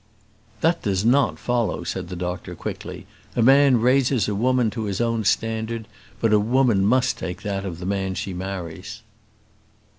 "That does not follow," said the doctor quickly. "A man raises a woman to his own standard, but a woman must take that of the man she marries."